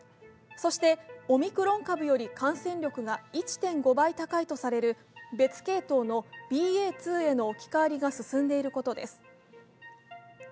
そしてオミクロン株より感染力が１．５倍高いとされる別系統のＢＡ．２への置き換わりが進んでいることです。